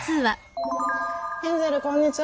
ヘンゼルこんにちは。